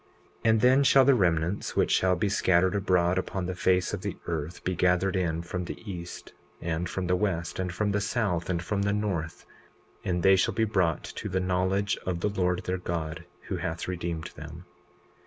20:13 And then shall the remnants, which shall be scattered abroad upon the face of the earth, be gathered in from the east and from the west, and from the south and from the north; and they shall be brought to the knowledge of the Lord their God, who hath redeemed them.